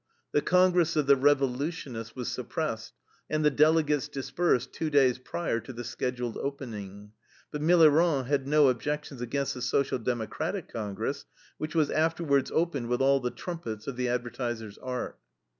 The congress of the revolutionists was suppressed, and the delegates dispersed two days prior to their scheduled opening. But Millerand had no objections against the Social Democratic Congress, which was afterwards opened with all the trumpets of the advertiser's art.